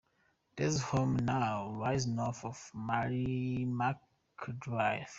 These homes now lie north of Merrimac Drive.